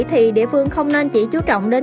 thì địa phương không nên chỉ chú trọng đến